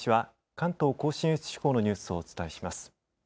関東甲信越地方のニュースをお伝えします。